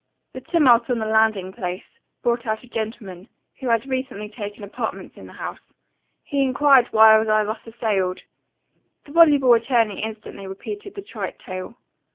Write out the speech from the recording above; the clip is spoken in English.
"The tumult on the landing place, brought out a gentleman, who had recently taken apartments in the house; he enquired why I was thus assailed?* The voluble attorney instantly repeated the trite tale.